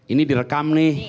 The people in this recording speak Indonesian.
ini direkam nih